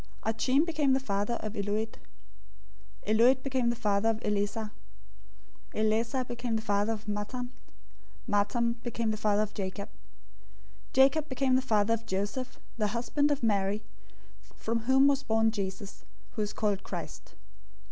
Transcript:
Achim became the father of Eliud. 001:015 Eliud became the father of Eleazar. Eleazar became the father of Matthan. Matthan became the father of Jacob. 001:016 Jacob became the father of Joseph, the husband of Mary, from whom was born Jesus{"Jesus" means "Salvation."}, who is called Christ.